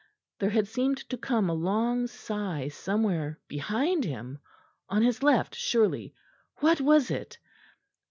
There had seemed to come a long sigh somewhere behind him; on his left surely. What was it?